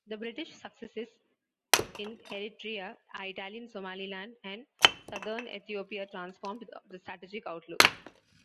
The British successes in Eritrea, Italian Somaliland and Southern Ethiopia, transformed the strategic outlook.